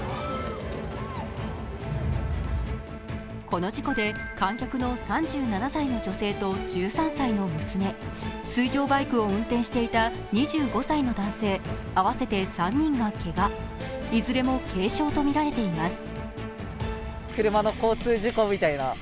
この事故で、観客の３７歳の女性と１３歳の娘、水上バイクを運転していた２５歳の男性、合わせて３人がけが、いずれも軽傷とみられています。